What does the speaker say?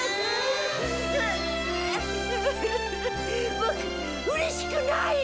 僕うれしくない！